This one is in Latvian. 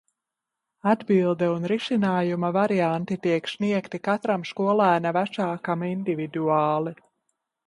Atbilde un risinājuma varianti tiek sniegti katram skolēna vecākam individuāli.